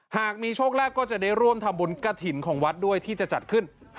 หากมีโชคลาภก็จะได้ร่วมทำบุญกระถิ่นของวัดด้วยที่จะจัดขึ้น